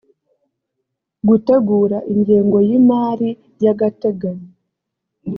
gutegura ingengo y imari y agateganyo